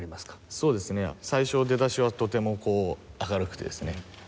そうですね最初出だしはとてもこう明るくてですね